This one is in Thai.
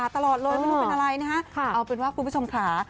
ตลอดเลยไม่รู้เป็นอะไรนะฮะเอาเป็นว่าคุณผู้ชมค่ะ